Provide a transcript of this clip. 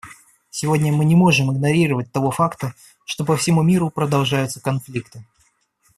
Сегодня мы не можем игнорировать того факта, что по всему миру продолжаются конфликты.